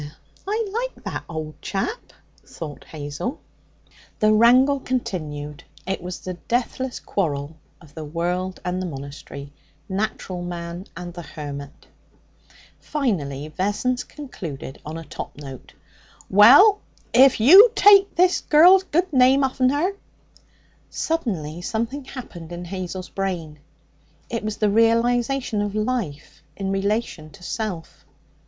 'Eh, I like that old chap,' thought Hazel. The wrangle continued. It was the deathless quarrel of the world and the monastery natural man and the hermit. Finally Vessons concluded on a top note. 'Well, if you take this girl's good name off'n her ' Suddenly something happened in Hazel's brain. It was the realization of life in relation to self.